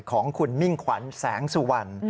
ของคุณมิ่งขวัญแสงสุวรรณ